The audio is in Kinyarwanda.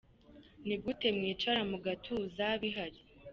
Ni gute mwicara mu gatuza bihari?".